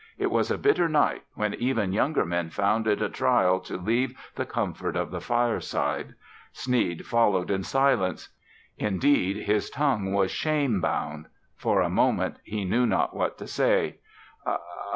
It was a bitter night when even younger men found it a trial to leave the comfort of the fireside. Sneed followed in silence. Indeed, his tongue was shame bound. For a moment, he knew not what to say.